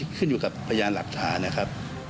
ขึ้นอยู่กับพยานหลักฐานนะครับ